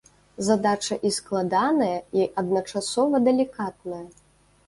Задача і складаная, і адначасова далікатная.